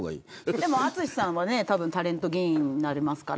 でも淳さんは、たぶんタレント議員になりますから。